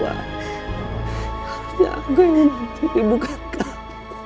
harusnya aku yang nanti dibuka kamp